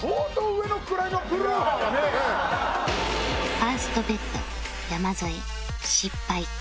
ファースト ＢＥＴ 山添失敗